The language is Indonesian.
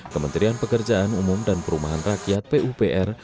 kementerian pekerjaan umum dan perumahan rakyat pupr